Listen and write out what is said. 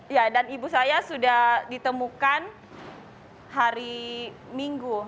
ya dan ibu saya sudah ditemukan hari minggu